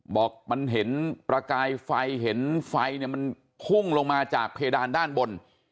บอกมันเห็นประกายไฟเห็นไฟเนี่ยมันพุ่งลงมาจากเพดานด้านบน